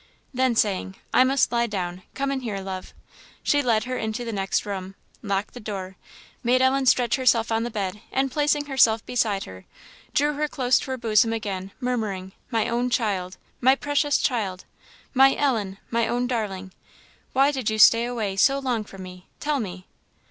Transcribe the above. Then saying, "I must lie down; come in here, love," she led her into the next room, locked the door, made Ellen stretch herself on the bed, and placing herself beside her, drew her close to her bosom again, murmuring, "My own child my precious child my Ellen my own darling! why did you stay away so long from me, tell me?"